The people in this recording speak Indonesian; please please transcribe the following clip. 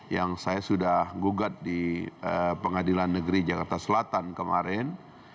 yang saya sudah gugat di pengadilan negeri jakarta selatan kemarin